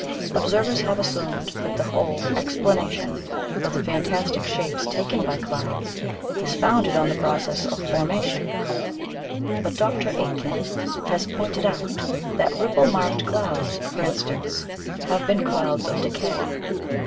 Observers have assumed that the whole explanation of the fantastic shapes taken by clouds is founded on the process of formation; but Dr. Aitken has pointed out that ripple marked clouds, for instance, have been clouds of decay.